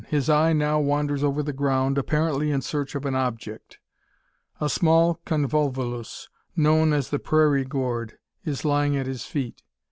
His eye now wanders over the ground, apparently in search of an object. A small convolvulus, known as the prairie gourd, is lying at his feet.